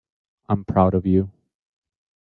I'm proud of you.